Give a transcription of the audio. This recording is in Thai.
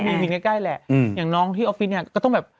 มีใกล้แหละอย่างน้องที่ออฟฟิศเนี่ยก็ต้องแบบ